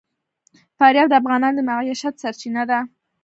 فاریاب د افغانانو د معیشت سرچینه ده.